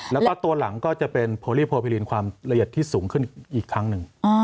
แล้วก็ตัวหลังก็จะเป็นโพลี่โพพิลินความละเอียดที่สูงขึ้นอีกครั้งหนึ่ง